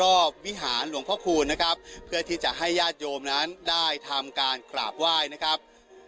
วิหารหลวงพ่อคูณนะครับเพื่อที่จะให้ญาติโยมนั้นได้ทำการกราบไหว้นะครับ